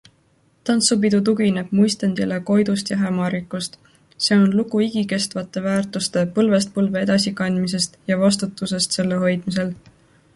Tantsupidu tugineb muistendile Koidust ja Hämarikust, See on lugu igikestvate väärtuste põlvest-põlve edasikandmisest ja vastutusest selle hoidmisel.